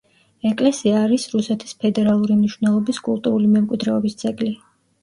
ეკლესია არის რუსეთის ფედერალური მნიშვნელობის კულტურული მემკვიდრეობის ძეგლი.